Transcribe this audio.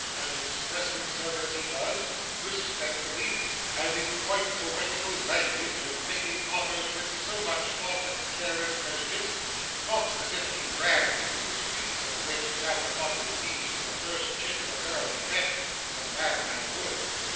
and express himself as he does, respectfully, and in quite poetical language, and making offers with so much thought, and care, and prudence not as if he ran into the streets, and went down upon his knees to the first chit of a girl he met, as a madman would!